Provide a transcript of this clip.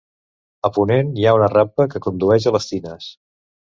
A ponent hi ha una rampa que condueix a les tines.